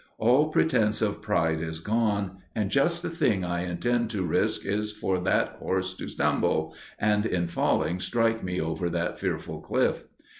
All pretense of pride is gone, and just the last thing I intend to risk is for that horse to stumble, and in falling strike me over that fearful cliff.